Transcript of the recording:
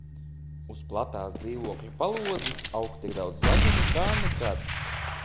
Uz platās dzīvokļa palodzes aug tik daudz zaļuma kā nekad.